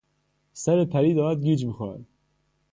سر پری دارد گیج میخورد.